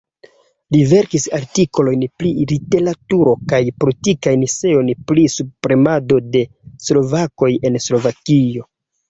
Li verkis artikolojn pri literaturo kaj politikajn eseojn pri subpremado de slovakoj en Slovakio.